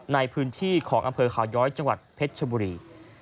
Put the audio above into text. ในพื้นที่ของอำเภอขาวย้อยจังหวัดเพชรชบุรี